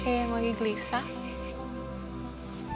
kayaknya lagi gelisah